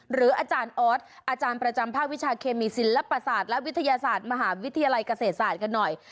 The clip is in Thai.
หรืออาจารย์ออสอาจารย์ประจำภาควิชาเคมีศิลปศาสตร์และวิทยาศาสตร์มหาวิทยาลัยเกษตรศาสตร์กันหน่อย